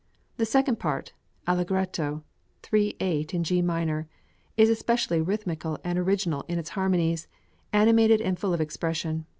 The second part (allegretto, 3 8, in G minor), is especially rhythmical and original in its harmonies, animated, and full of expression.